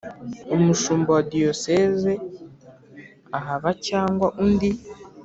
Umushumba wa Diyoseze ahaba cyangwa undi